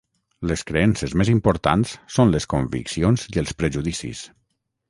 Les creences més importants són les conviccions i els prejudicis.